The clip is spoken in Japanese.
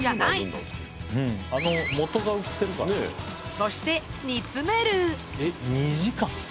そして煮詰めるえっ２時間？